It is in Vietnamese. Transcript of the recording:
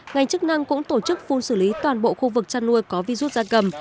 ngành chức năng cũng tổ chức phun xử lý toàn bộ khu vực chăn nuôi có virus da cầm